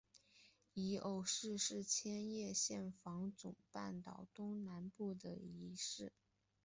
夷隅市是千叶县房总半岛东南部的一市。